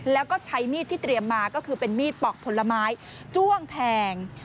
แล้วก็ใช้มีดที่เตรียมมาก็คือเป็นมีดปอกผลไม้จ้วงแทง